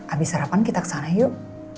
habis sarapan kita kesana yuk